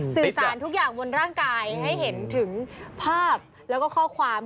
สื่อสารทุกอย่างบนร่างกายให้เห็นถึงภาพแล้วก็ข้อความ